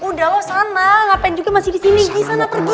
udah lo sana ngapain juga masih disini ghi sana pergi